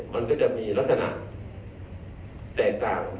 มันก็จะมีลักษณะแตกต่าง